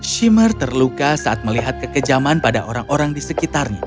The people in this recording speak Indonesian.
shimer terluka saat melihat kekejaman pada orang orang di sekitarnya